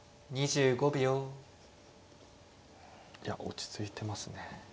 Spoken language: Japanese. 落ち着いてますね。